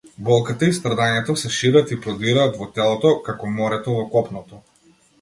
Болката и страдањето се шират и продираат во телото, како морето во копното.